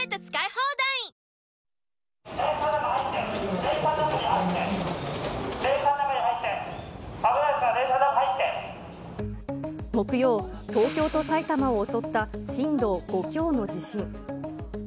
危ないですか木曜、東京と埼玉を襲った震度５強の地震。